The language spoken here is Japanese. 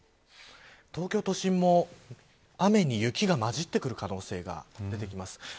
東京都心も雨に雪がまじってくる可能性が出てきます。